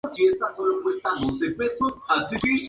Consejero del rey Alfonso el Benigno.